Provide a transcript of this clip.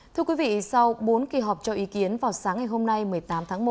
thưa quý vị sau bốn kỳ họp cho ý kiến vào sáng ngày hôm nay một mươi tám tháng một